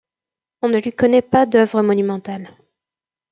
On ne lui connait pas d’œuvres monumentales.